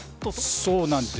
そうなんです。